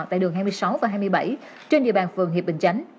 tại đường hai mươi sáu và hai mươi bảy trên địa bàn phường hiệp bình chánh